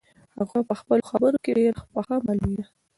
هغه په خپلو خبرو کې ډېره پخه معلومېدله.